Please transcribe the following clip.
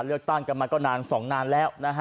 เลือกตั้งกันมาก็นาน๒นานแล้วนะฮะ